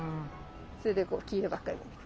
それでこう黄色ばっかり回ってく。